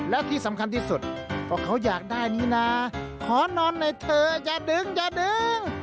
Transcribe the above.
แล้วที่สำคัญที่สุดเพราะเขาอยากได้นี่นะขอนอนหน่อยเถอะอย่าดึงอย่าดึง